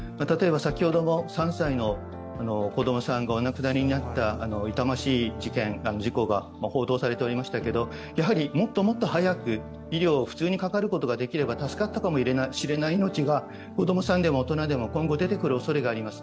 先ほどの３歳の子供さんがお亡くなりになった痛ましい事故が報道されていましたけれどやはりもっともっと早く医療に普通にかかることができれば助かったかもしれない命が子供さんでも、大人でも今後、出てくるおそれがあります。